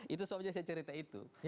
itu sebabnya saya cerita itu